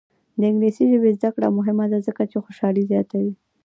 د انګلیسي ژبې زده کړه مهمه ده ځکه چې خوشحالي زیاتوي.